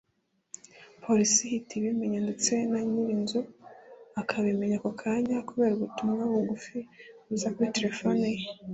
Polisi ihita ibimenya ndetse na nyirinzu akabimenya ako kanya kubera ubutumwa bugufi buza kuri terefone ye